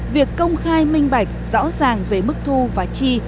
việc công khai minh bạch rõ ràng về mức thu và chi